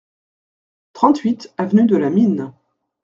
trente-huit avenue de la Mine